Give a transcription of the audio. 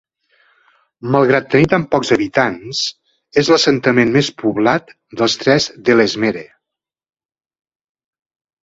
Malgrat tenir tan pocs habitants és l'assentament més poblat dels tres d'Ellesmere.